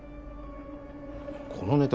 このネタ